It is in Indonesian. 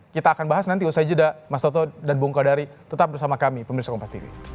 kita akan bahas nanti usai jeda mas toto dan bung kodari tetap bersama kami pemirsa kompas tv